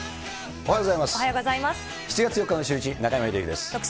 おはようございます。